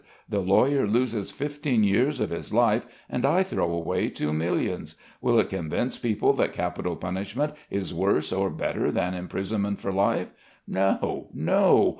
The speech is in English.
The lawyer loses fifteen years of his life and I throw away two millions. Will it convince people that capital punishment is worse or better than imprisonment for life. No, No!